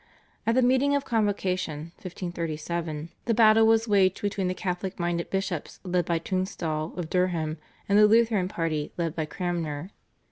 At the meeting of Convocation (1537) the battle was waged between the Catholic minded bishops let by Tunstall of Durham and the Lutheran party let by Cranmer.